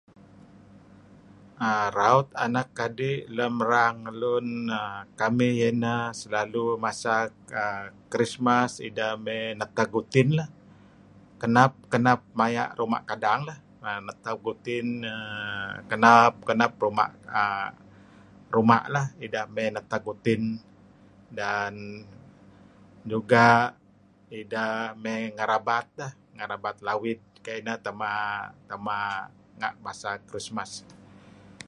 um Raut lam arang anak adih lun [um]kamih iyah inah selalu masak [um]krismas idah may nakap luting lah, kanap kanap mayah rumah kadang lah[um] kanap kanap mayah rumah kadang lah[um]nakap luting [um]kanap kanap rumah um kanap kanap rumah idah nakap luting dan um jugah idah narabat idah, idah nabat lawid masa krismas.